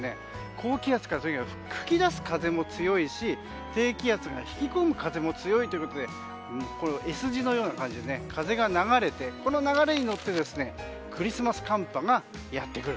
高気圧から吹き出す風も強いし低気圧が引き込む風も強いということでＳ字のような感じで風が流れてこの流れによってクリスマス寒波がやってくる。